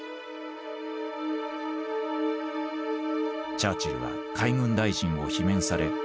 チャーチルは海軍大臣を罷免され